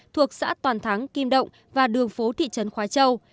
thuộc xã toàn thắng kim động và đường phố thị trấn khói châu